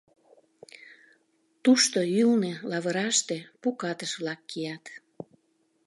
Тушто, ӱлнӧ, лавыраште пу катыш-влак кият.